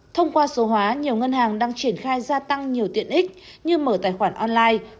thông qua số hóa nhiều ngân hàng đang triển khai gia tăng nhiều tiện ích như mở tài khoản online